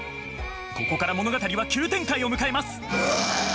ここから物語は急展開を迎えます。